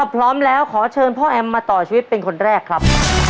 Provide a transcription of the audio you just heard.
พร้อมแล้วขอเชิญพ่อแอมมาต่อชีวิตเป็นคนแรกครับ